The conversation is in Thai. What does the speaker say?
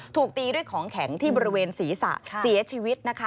ถูกตีด้วยของแข็งที่บริเวณศีรษะเสียชีวิตนะคะ